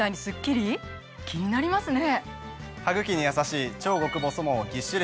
気になりますね。